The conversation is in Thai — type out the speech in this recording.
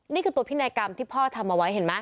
นี่คือตัวพินัยกรรมที่พ่อทำเอาไว้เห็นไหม